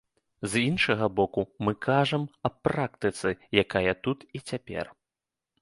З іншага боку, мы кажам аб практыцы, якая тут і цяпер.